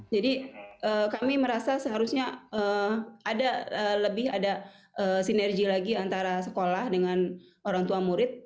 jadi kami merasa seharusnya ada lebih ada sinergi lagi antara sekolah dengan orang tua murid